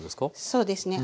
そうですね。